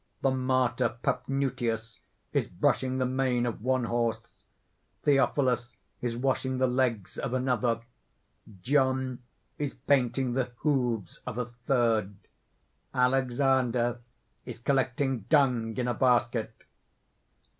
The martyr Paphnutius is brushing the mane of one horse; Theophilus is washing the legs of another; John is painting the hoofs of a third; Alexander is collecting dung in a basket.